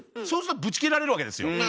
そうするとぶち切られるわけですよ。